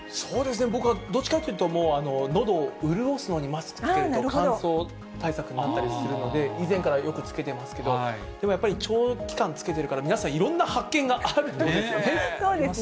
僕はどっちかっていうと、のどを潤すのにマスクって、乾燥対策になったりもするので、以前からよく着けてますけど、でもやっぱり、長期間着けてるから、皆さんいろんな発見があるということですね。